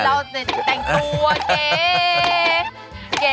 ไอ้เราสิแต่งตัวเก